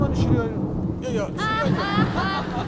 いやいや知り合い。